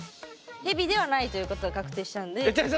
ヘビではないということが確定したんで。